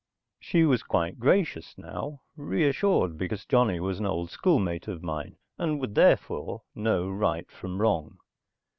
She was quite gracious now, reassured because Johnny was an old school mate of mine, and would therefore know right from wrong.